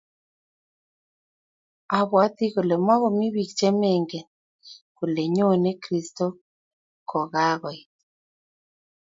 Abwate kole makomii biik che mangen kole nyone kristo kokakoit